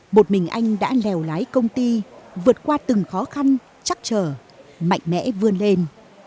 một mình anh đã lèo lái công ty vượt qua từng khó khăn chắc trở mạnh mẽ vươn lên